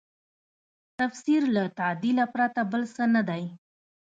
تفسیر له تعدیله پرته بل څه نه دی.